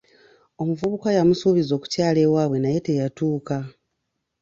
Omuvubuka yamusuubiza okukyala ewaabwe naye teyatuuka.